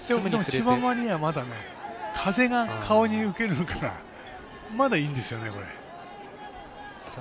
千葉マリンはまだ風が顔に受けるからまだいいんですよね。